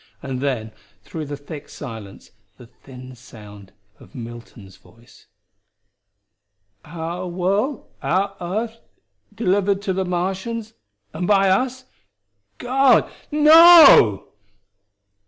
And then, through the thick silence, the thin sound of Milton's voice: "Our world our earth delivered to the Martians, and by us! God no!"